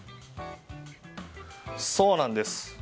そうなんです。